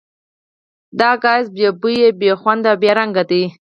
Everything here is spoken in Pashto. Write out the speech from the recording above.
دا ګاز بې بویه، بې خونده او بې رنګه دی.